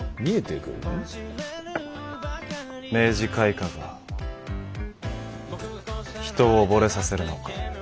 明治開化が人を溺れさせるのか。